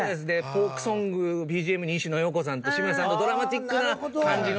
フォークソングをＢＧＭにいしのようこさんと志村さんのドラマチックな感じのとか。